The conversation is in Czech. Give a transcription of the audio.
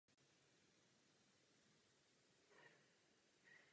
Zastával i nezbytnost „sociální zodpovědnosti společnosti“.